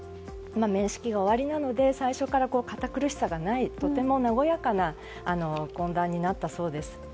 面識がおありなので最初から堅苦しさがないとても和やかな懇談になったそうです。